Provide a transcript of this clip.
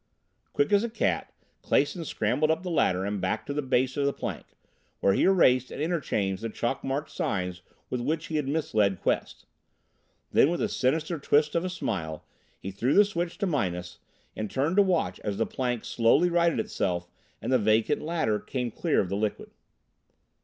Quick as a cat, Clason scrambled up the ladder and back to the base of the plank, where he erased and interchanged the chalk marked signs with which he had misled Quest. Then with a sinister twist of a smile he threw the switch to minus, and turned to watch as the plank slowly righted itself and the vacant ladder came clear of the liquid.